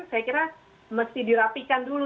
saya kira mesti dirapikan dulu